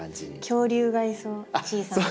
恐竜がいそう小さな。